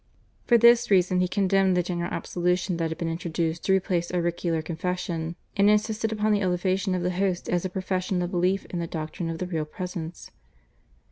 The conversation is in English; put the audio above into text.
For this reason he condemned the general absolution that had been introduced to replace auricular confession, and insisted upon the elevation of the Host as a profession of belief in the doctrine of the Real Presence.